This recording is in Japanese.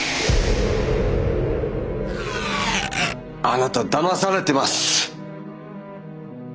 あなただまされてます。